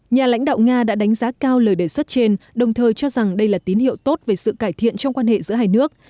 nhà lãnh đạo nga đã đánh giá cao lời đề xuất trên đồng thời cho rằng đây là tín hiệu tốt về sự cải thiện trong quan hệ giữa hai nước